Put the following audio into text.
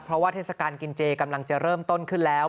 เพราะว่าเทศกาลกินเจกำลังจะเริ่มต้นขึ้นแล้ว